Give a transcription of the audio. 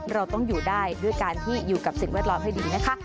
เราต้องอยู่ได้ด้วยการที่อยู่กับสิ่งแวดล้อมให้ดีนะคะ